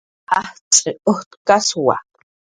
Jajch' urkaswa